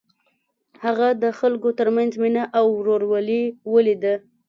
هغه د خلکو تر منځ مینه او ورورولي ولیده.